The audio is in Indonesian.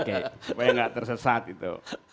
supaya gak tersesat itu